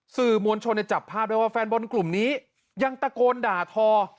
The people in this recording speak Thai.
สื่อมวลชนจับภาพได้ว่าแฟนบอลกลุ่มนี้ยังตะโกนด่าทอ